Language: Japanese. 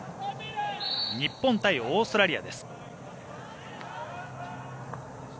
日本対オーストラリアです。